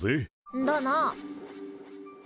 んだな。